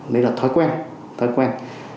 nói là thói quen